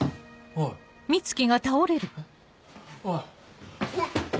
おい。